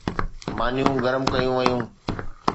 مانيون گرم ڪيون ويون